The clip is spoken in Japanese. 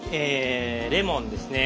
レモンですね。